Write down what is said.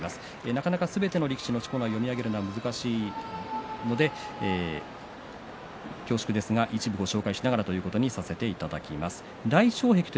なかなかすべての力士のしこ名を読み上げるのは難しいので恐縮ですが一部ご紹介しながらとさせていただきます。